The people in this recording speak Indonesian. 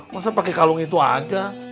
masa pakai kalung itu aja